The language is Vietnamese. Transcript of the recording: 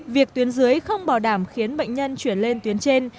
việc tuyến dưới không bảo đảm khiến bệnh nhân chuyển lên tuyến trên